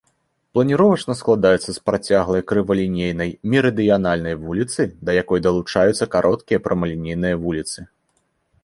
Планіровачна складаецца з працяглай крывалінейнай мерыдыянальнай вуліцы, да якой далучаюцца кароткія прамалінейныя вуліцы.